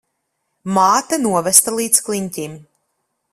Māte novesta līdz kliņķim.